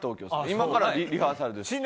今からリハーサルです。